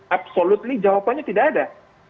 absolutely jawabannya tidak ada